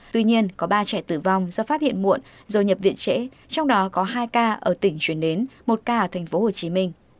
tuy nhiên có ba trẻ tử vong do phát hiện muộn rồi nhập viện trễ trong đó có hai ca ở tỉnh chuyển đến một ca ở tp hcm